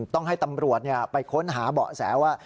ต้องให้ตำรวจไปค้นหาเบาะแสว่า